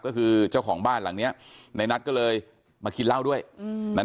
ก็คือเจ้าของบ้านหลังเนี้ยในนัทก็เลยมากินเหล้าด้วยอืมนั้น